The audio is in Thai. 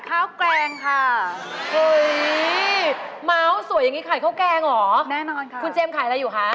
คุณเจมส์ขายข้าวกแกงหรือคุณเจมส์ขายอะไรอยู่คะ